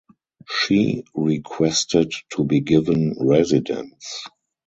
She requested to be given residence.